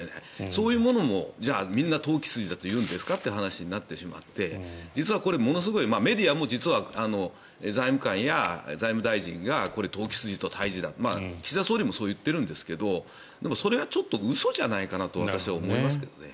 そういうものもみんな投機筋というんですかという話になってしまって実はものすごいメディアも財務官や財務大臣がこれ、投機筋と対峙だと岸田総理もそう言っているんですがそれはちょっと嘘じゃないかなと私は思いますね。